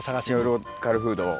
ローカルフードを。